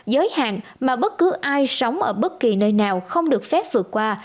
giới hạn mà bất cứ ai sống ở bất kỳ nơi nào không được phép vượt qua